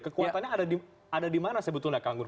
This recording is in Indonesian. kekuatannya ada di mana sebetulnya kang gun